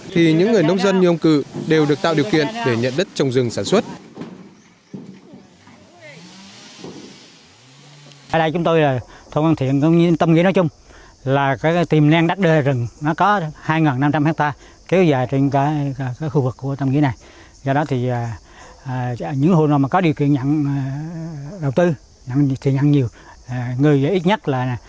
thì những người nông dân như ông cự đều được tạo điều kiện để nhận đất trong rừng sản xuất